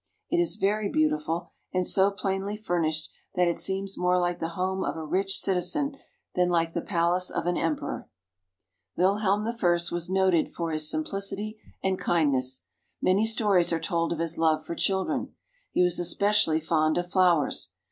It is very beautiful, and so plainly furnished that it seems more like the home of a rich citizen than like the palace of an emperor. Wilhelm I was noted for his simplicity and kindness; many stories are told of his love for children. He was especially fond of flowers.